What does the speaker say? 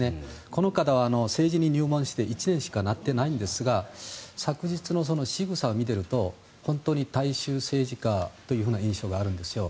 この方は政治に入門して１年しかたっていないんですが昨日のしぐさを見ていると本当に大衆政治家という印象があるんですよ。